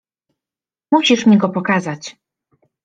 — Musisz mi go pokazać.